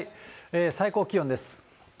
最高気温です。